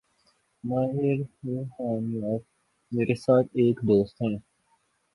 ماہر روحانیات: میرے ساتھ ایک دوست ہیں۔